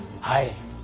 はい。